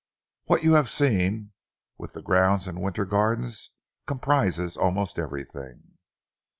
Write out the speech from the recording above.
What you have seen, with the grounds and the winter garden, comprises almost everything."